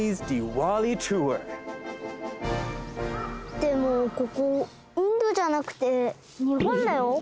でもここインドじゃなくて日本だよ？